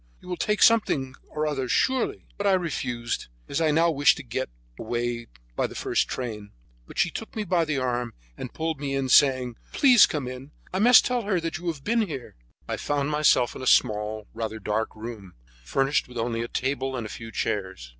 You will take something or other, surely?" But I refused, as I now wished to get away by the first train; but she took me by the arm and pulled me in, saying: "Please, come in; I must tell her that you have been in here." I found myself in a small, rather dark room, furnished with only a table and a few chairs.